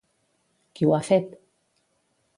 Qui ho ha fet?